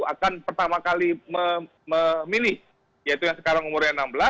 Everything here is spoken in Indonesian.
akan pertama kali memilih yaitu yang sekarang umurnya enam belas